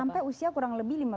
sampai usia kurang lebih